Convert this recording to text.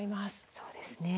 そうですね。